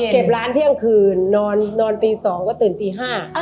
เก็บร้านเที่ยงคืนนอนตี๒ก็ตื่นตี๕